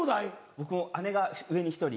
僕姉が上に１人。